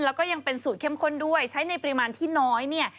แล้วก็ยังเป็นสูตรเข้มข้นด้วยใช้ในปริมาณที่น้อยเนี่ย